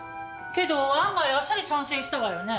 けど案外あっさり賛成したわよね。